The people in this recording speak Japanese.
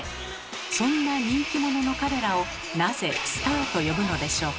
そんな人気者の彼らをなぜスターと呼ぶのでしょうか？